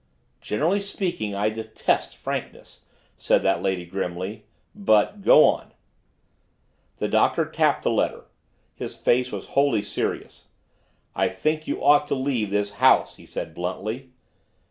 "Generally speaking, I detest frankness," said that lady grimly. "But go on!" The Doctor tapped the letter. His face was wholly serious. "I think you ought to leave this house," he said bluntly.